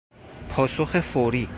پاسخ فوری